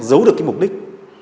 giấu được mục đích